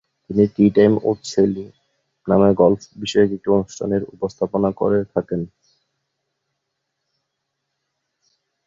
তিনি "tea time with Shoili" নামে golf বিষয়ক একটি অনুষ্ঠানের উপস্থাপনা করে থাকেন।